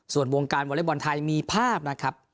ส่วนวงการวอเล็กบอลไทยมีภาพนะครับ